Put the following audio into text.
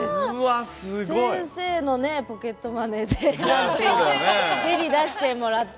先生のポケットマネーでヘリ、出してもらって。